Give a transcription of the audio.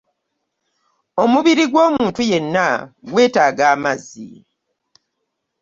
Omubiri gw'omuntu yenna gwetaaga amazzi.